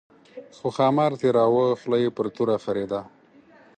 خو ښامار تېراوه خوله یې پر توره خرېده.